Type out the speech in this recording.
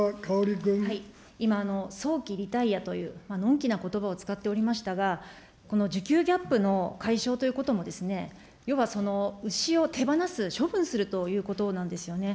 今、早期リタイアというのんきなことばを使っておりましたが、この需給ギャップの解消ということも、要は牛を手放す、処分するということなんですよね。